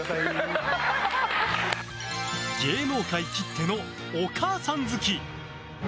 芸能界きってのお母さん好き。